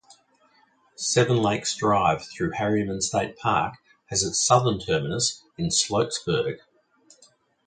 Seven Lakes Drive through Harriman State Park has its southern terminus in Sloatsburg.